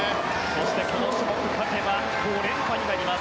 そして、この種目に勝てば５連覇になります